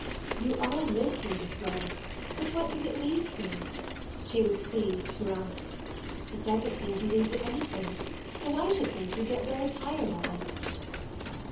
"You all live here this way, but what does it lead to?" she was pleased to ask. "It doesn't seem to lead to anything, and I should think you'd get very tired of it."